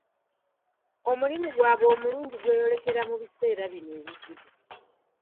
Omulimu gwabwe omulungi gweyolekera mu biseera bino ebizibu.